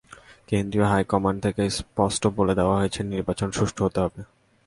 কেন্দ্রীয় high command থেকেও স্পষ্ট বলে দেওয়া হয়েছে নির্বাচন সুষ্ঠু হতে হবে।